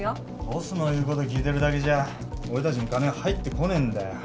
ボスの言うこと聞いてるだけじゃ俺達に金は入ってこねえんだよ